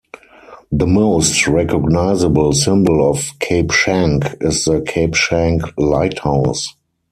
The most recognisable symbol of Cape Schanck is the Cape Schanck Lighthouse.